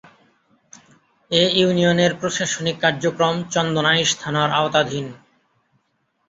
এ ইউনিয়নের প্রশাসনিক কার্যক্রম চন্দনাইশ থানার আওতাধীন।